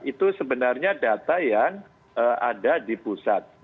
itu sebenarnya data yang ada di pusat